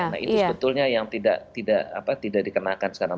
nah itu sebetulnya yang tidak dikenakan sekarang